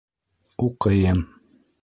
Уҡыйым.